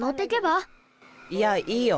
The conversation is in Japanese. いやいいよ。